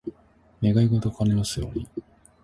願い事が叶いますように。